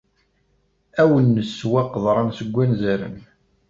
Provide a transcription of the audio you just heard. Ad awen-nessew aqeḍran seg wanzaren.